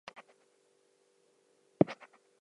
Screen Gems originally syndicated the series.